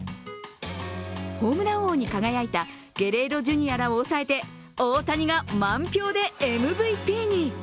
ホームラン王に輝いたゲレーロジュニアらを抑えて大谷が満票でＭＶＰに。